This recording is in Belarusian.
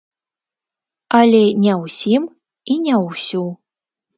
Але не ўсім і не ўсю.